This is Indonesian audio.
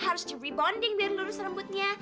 harus di rebonding biar lurus rambutnya